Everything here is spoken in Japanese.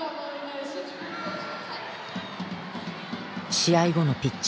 試合後のピッチ。